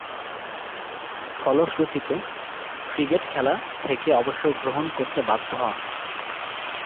ফলশ্রুতিতে ক্রিকেট খেলা থেকে অবসর গ্রহণ করতে বাধ্য হন।